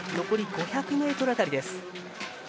残り５００ｍ辺り。